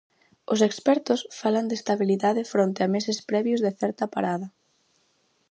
Os expertos falan de estabilidade fronte a meses previos de certa parada.